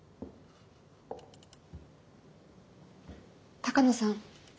鷹野さん